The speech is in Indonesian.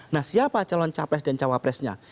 nah siapa calon capres dan cawapresnya